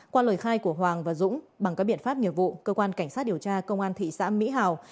qua lời khai của hoàng và dũng bằng các biện pháp nghiệp vụ cơ quan cảnh sát điều tra công an thị xã mỹ hào